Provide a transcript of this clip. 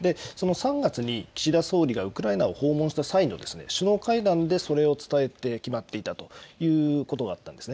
３月に岸田総理がウクライナを訪問した際に首脳会談でそれを伝えて、決まっていたということがあったんです。